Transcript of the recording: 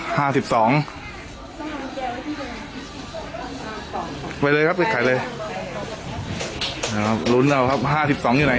ห้าสิบสองห้าสองไปเลยครับไปขายเลยครับลุ้นเอาครับห้าสิบสองอยู่ไหน